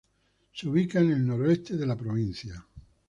Se ubica en el noroeste de la provincia.